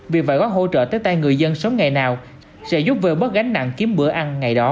việc phải có hỗ trợ tới tay người dân sớm ngày nào sẽ giúp về bớt gánh nặng kiếm bữa ăn ngày đó